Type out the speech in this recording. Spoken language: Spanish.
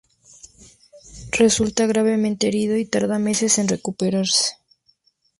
Resulta gravemente herido y tarda meses en recuperarse.